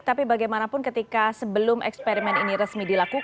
tapi bagaimanapun ketika sebelum eksperimen ini resmi dilakukan